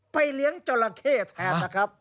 เลี้ยงจราเข้แทนนะครับ